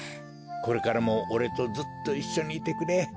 これからもおれとずっといっしょにいてくれ。